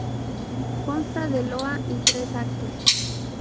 Consta de loa y tres actos.